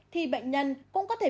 thì bệnh nhân cũng có thể